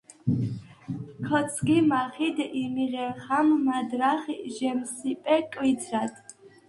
ქო̄თსგი, მაჴიდ იმი̄ღენა̄მ მადრაჴ ი ჟემსიპე კვიცრად.